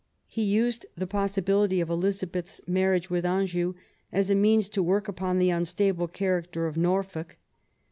He used the possibility of Eliza beth's marriage with Anjou as a means to work upon the unstable character of Norfolk.